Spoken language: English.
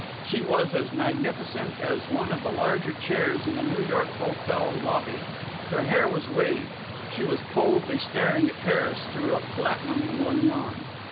She was as magnificent as one of the larger chairs in a New York hotel lobby. Her hair was waved. She was coldly staring at Harris through a platinum lorgnon.